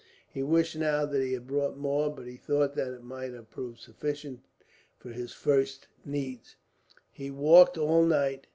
He wished now that he had brought more, but he thought that it might prove sufficient for his first needs. He walked all night.